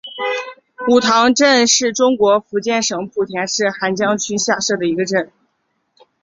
梧塘镇是中国福建省莆田市涵江区下辖的一个镇。